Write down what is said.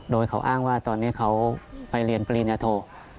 โดยเขาอ้างว่าตอนนี้เขาไปเรียนปริญญโท